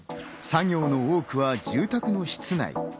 作業の多くは住宅の室内。